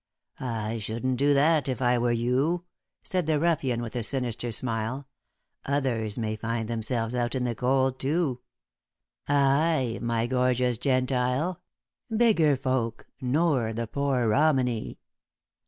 "I shouldn't do that if I were you," said the ruffian, with a sinister smile. "Others may find themselves out in the cold too. Aye, my gorgeous Gentile bigger folk nor the poor Romany."